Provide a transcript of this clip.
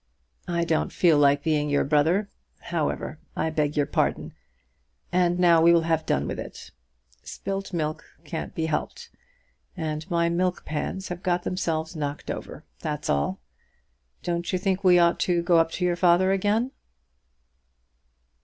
"I don't feel like being your brother. However, I beg your pardon, and now we will have done with it. Spilt milk can't be helped, and my milk pans have got themselves knocked over. That's all. Don't you think we ought to go up to your father again?"